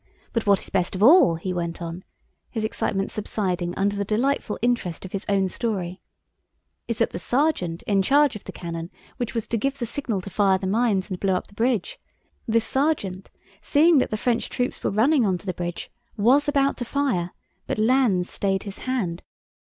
But what is best of all," he went on, his excitement subsiding under the delightful interest of his own story, "is that the sergeant in charge of the cannon which was to give the signal to fire the mines and blow up the bridge, this sergeant, seeing that the French troops were running onto the bridge, was about to fire, but Lannes stayed his hand.